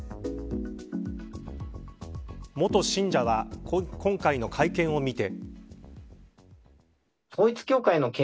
元信者は今回の会見を見て。